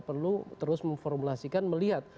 perlu terus memformulasikan melihat